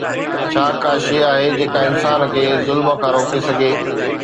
ڇا ڪا شيءِ آهي جيڪا انسان کي ظلم کان روڪي سگهي؟